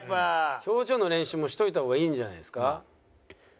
表情の練習もしておいた方がいいんじゃないですか？